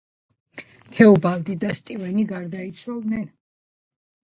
თეობალდი და სტივენი გარდაიცვალნენ.